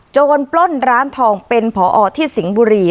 ปล้นร้านทองเป็นผอที่สิงห์บุรี